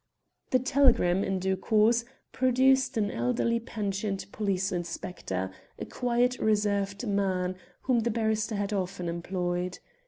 The telegram, in due course, produced an elderly pensioned police inspector, a quiet reserved man, whom the barrister had often employed.